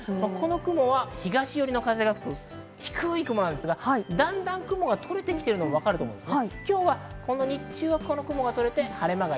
この雲は東寄りの風が吹く低い雲なんですが段々雲が取れてきてるのがわかると思います。